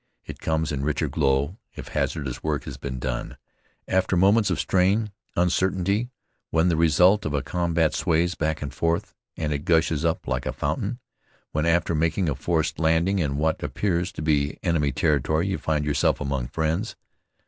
It comes in richer glow, if hazardous work has been done, after moments of strain, uncertainty, when the result of a combat sways back and forth; and it gushes up like a fountain, when, after making a forced landing in what appears to be enemy territory, you find yourself among friends.